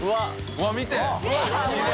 うわっ見て！